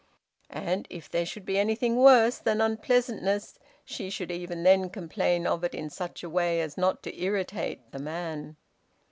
And if there should be anything worse than unpleasantness she should even then complain of it in such a way as not to irritate the men.